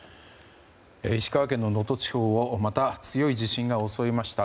石川県の能登地方をまた強い地震が襲いました。